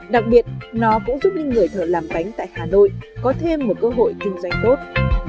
đặc biệt nó cũng giúp những người thợ làm bánh tại hà nội có thêm một cơ hội kinh doanh tốt